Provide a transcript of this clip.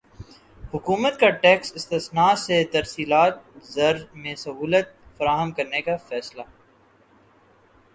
حکومت کا ٹیکس استثنی سے ترسیلات زر میں سہولت فراہم کرنے کا فیصلہ